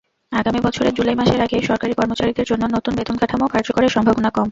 আগামী বছরের জুলাই মাসের আগে সরকারি কর্মচারীদের জন্য নতুন বেতনকাঠামো কার্যকরের সম্ভাবনা কম।